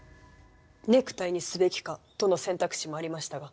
ネクタイにすべきかとの選択肢もありましたが。